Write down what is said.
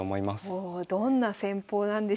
おおどんな戦法なんでしょうか。